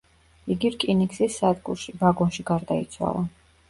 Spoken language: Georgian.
იგი რკინიგზის სადგურში, ვაგონში გარდაიცვალა.